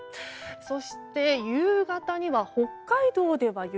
そして、夕方には北海道では雪。